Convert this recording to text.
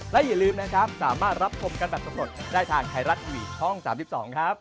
และอย่าลืมนะครับสามารถรับชมกันแบบสำรวจได้ทางไทยรัฐทีวีช่อง๓๒ครับ